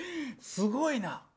すごいな。